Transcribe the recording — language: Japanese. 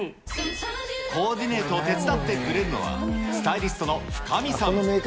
コーディネートを手伝ってくれるのは、スタイリストのフカミさん。